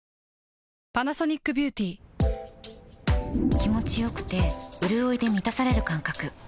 気持ちよくてうるおいで満たされる感覚